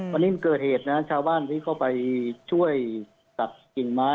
พนนี้เกิดเหตุชาวบ้านเขาไปช่วยตัดกิ่งไม้